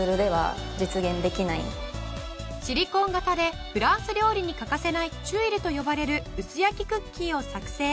シリコン型でフランス料理に欠かせないチュイルと呼ばれる薄焼きクッキーを作製。